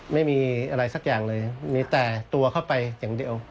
ไม่มีอะไรสักอย่างเลยมีแต่ตัวเข้าไปอย่างเดียว